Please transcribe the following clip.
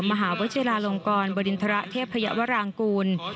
มหาวิทยาลงกรบรินทรเทพยาวรางกูล